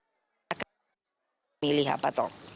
kita akan memilih apa